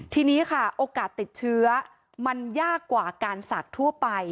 ทีนี้ค่ะโอกาสติดเชื้อมันยากกว่าการศักดิ์ทั่วไป